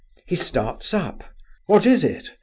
He starts up. 'What is it?